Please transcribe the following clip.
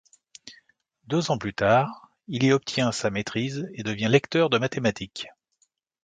Deux ans plus tard, il y obtient sa maîtrise et devient lecteur de mathématiques.